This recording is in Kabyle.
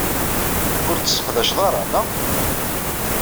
Ur t-tesseqdaceḍ ara, naɣ?